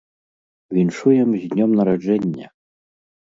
Віншуем з днём нараджэння!